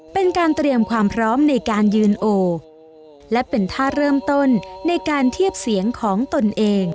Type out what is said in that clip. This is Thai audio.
เป็นการเตรียมความพร้อมในการยืนโอและเป็นท่าเริ่มต้นในการเทียบเสียงของตนเอง